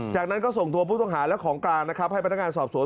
จากนั้นก็ส่งทัวร์ผู้ต้องหาและของการให้พัฒนาการสอบสวน